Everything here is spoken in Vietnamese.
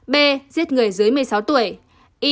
b giết người dưới một mươi sáu tuổi